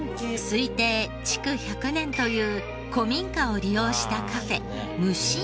推定築１００年という古民家を利用したカフェ無心庵。